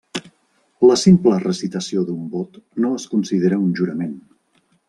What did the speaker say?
La simple recitació d'un vot no es considera un jurament.